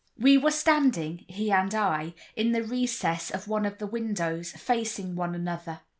We were standing, he and I, in the recess of one of the windows, facing one another.